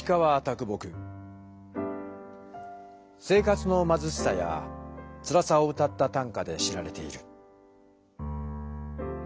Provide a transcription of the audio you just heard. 生活のまずしさやつらさを歌った短歌で知られている。